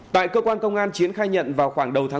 tại cơ quan công an chiến khai nhận vào khoảng đầu tuần